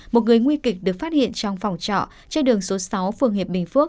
một người nguy kịch được phát hiện trong phòng trọ trên đường số sáu phường hiệp bình phước